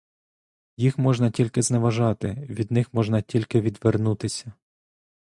Їх можна тільки зневажати, від них можна тільки відвернутися.